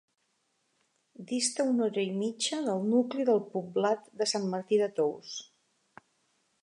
Dista una hora i mitja del nucli del poblat de Sant Martí de Tous.